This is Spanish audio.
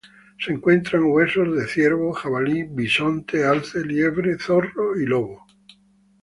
Se encuentran huesos de ciervo, jabalí, bisonte, alce, liebre, zorro y lobo.